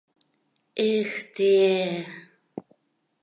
— Эх, те!